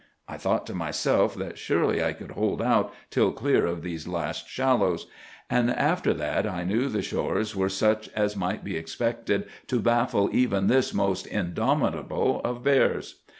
I thought to myself that surely I could hold out till clear of these last shallows; and after that I knew the shores were such as might be expected to baffle even this most indomitable of bears.